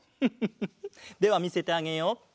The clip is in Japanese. フフフではみせてあげよう。